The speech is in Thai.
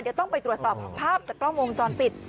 เดี๋ยวต้องไปตรวจสอบภาพจากกล้องวงจรปิด